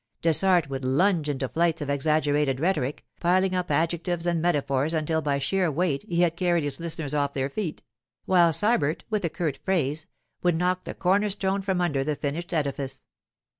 Dessart would lunge into flights of exaggerated rhetoric, piling up adjectives and metaphors until by sheer weight he had carried his listeners off their feet; while Sybert, with a curt phrase, would knock the corner stone from under the finished edifice.